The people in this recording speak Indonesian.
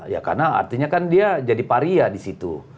ya karena artinya kan dia jadi paria di situ